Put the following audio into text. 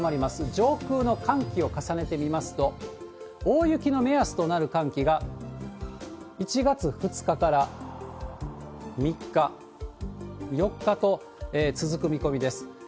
上空の寒気を重ねて見ますと、大雪の目安となる寒気が、１月２日から３日、４日と続く見込みです。